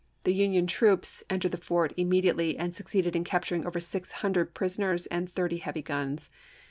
The Union troops chap.x. entered the fort immediately and succeeded in capturing over six hundred prisoners and thirty heavy guns.